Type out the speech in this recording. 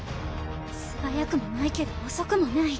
素早くもないけど遅くもない。